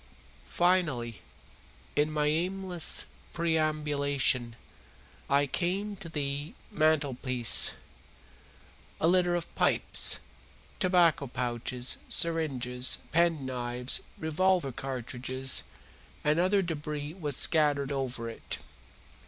Finally, in my aimless perambulation, I came to the mantelpiece. A litter of pipes, tobacco pouches, syringes, penknives, revolver cartridges, and other debris was scattered over it.